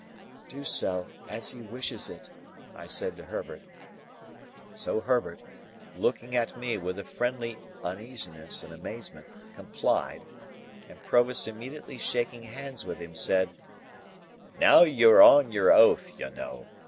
"Do so, as he wishes it," I said to Herbert. So, Herbert, looking at me with a friendly uneasiness and amazement, complied, and Provis immediately shaking hands with him, said, "Now you're on your oath, you know.